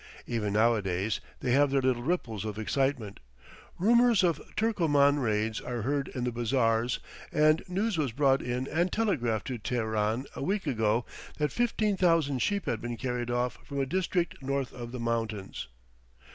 Even nowadays they have their little ripples of excitement; rumors of Turcoman raids are heard in the bazaars, and news was brought in and telegraphed to Teheran a week ago that fifteen thousand sheep had been carried off from a district north of the mountains.